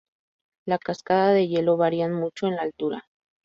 Las cascada de hielo varían mucho en la altura.